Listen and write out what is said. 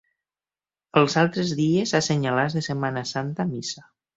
Els altres dies assenyalats de Setmana Santa missa.